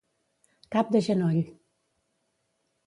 Cap de genoll.